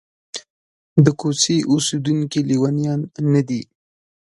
د کوڅې اوسېدونکي لېونیان نه دي.